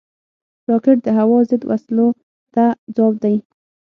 راکټ د هوا ضد وسلو ته ځواب دی